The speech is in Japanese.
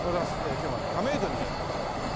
今日はね亀戸にやって来ましたね。